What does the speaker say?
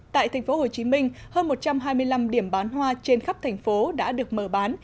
tại tp hcm hơn một trăm hai mươi năm điểm bán hoa trên khắp thành phố đã được mở bán